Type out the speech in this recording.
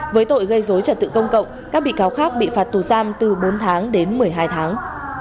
với tội gây dối trật tự công cộng các bị cáo khác bị phạt tù giam từ bốn tháng đến một mươi hai tháng